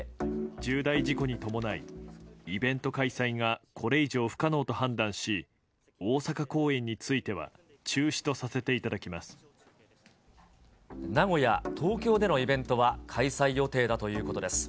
重大事故に伴い、イベント開催がこれ以上不可能と判断し、大阪公演については中止名古屋、東京でのイベントは開催予定だということです。